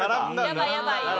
やばいやばい。